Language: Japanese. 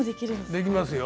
できますよ。